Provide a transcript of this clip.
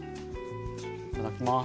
いただきます。